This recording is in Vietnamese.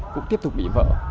cũng tiếp tục bị vỡ